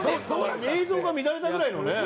映像が乱れたぐらいのね。